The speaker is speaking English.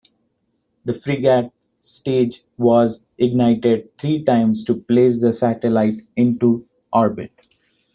The Fregat stage was ignited three times to place the satellite into orbit.